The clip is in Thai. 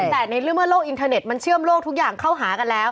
แต่ในเมื่อโลกอินเทอร์เน็ตมันเชื่อมโลกทุกอย่างเข้าหากันแล้ว